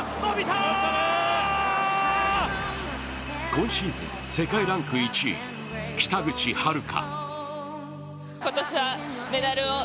今シーズン世界ランク１位、北口榛花。